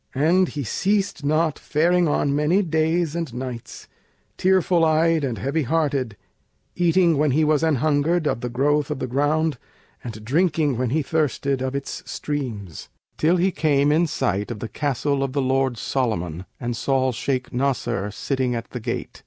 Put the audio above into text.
And he ceased not faring on many days and nights, tearful eyed and heavy hearted; eating, when he was anhungered, of the growth of the ground and drinking, when he thirsted, of its streams, till he came in sight of the Castle of the lord Solomon and saw Shaykh Nasr sitting at the gate.